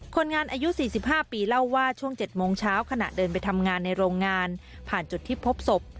คนงานอายุ๔๕ปีเล่าว่าช่วง๗โมงเช้าขณะเดินไปทำงานในโรงงานผ่านจุดที่พบศพ